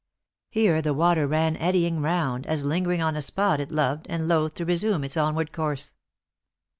Here the water ran eddying round, as lingering on a spot it loved, and loath to re sume its onward course.